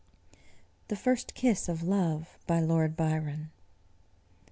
THE FIRST KISS OF LOVE. BY LORD BYRON.